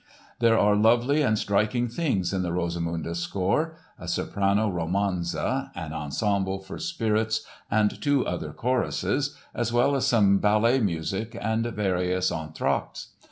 There are lovely and striking things in the Rosamunde score—a soprano romanza, an ensemble for spirits and two other choruses as well as some ballet music and various entr'actes.